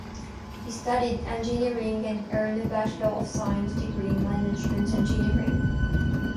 He studied engineering and earned a bachelor of science degree in management engineering.